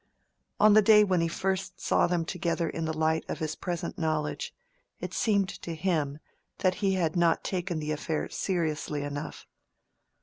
On the day when he first saw them together in the light of his present knowledge, it seemed to him that he had not taken the affair seriously enough.